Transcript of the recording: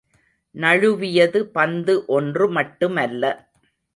நழுவியது பந்து ஒன்று மட்டுமல்ல!